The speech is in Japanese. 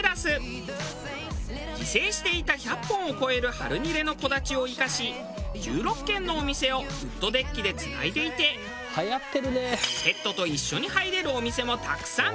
自生していた１００本を超えるハルニレの木立を生かし１６軒のお店をウッドデッキでつないでいてペットと一緒に入れるお店もたくさん。